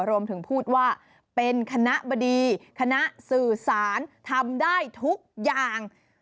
รวมถึงพูดว่าเป็นคณะบดีคณะสื่อสารทำได้ทุกอย่าง